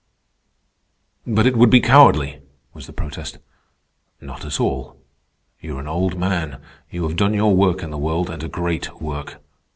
_" "But it would be cowardly," was the protest. "Not at all. You are an old man. You have done your work in the world, and a great work.